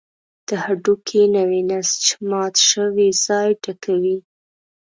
د هډوکي نوی نسج مات شوی ځای ډکوي.